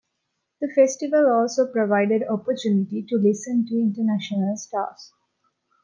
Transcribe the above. The festival also provided opportunity to listen to international stars.